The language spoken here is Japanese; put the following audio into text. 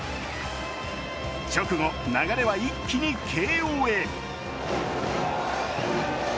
直後、流れは一気に慶応へ。